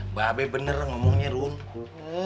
mbak abe bener ngomongnya rumput